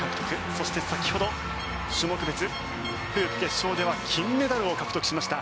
そして、先ほど種目別フープ決勝では金メダルを獲得しました。